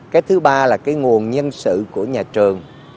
cái thứ ba là cái nguồn nhân sự của nhà trường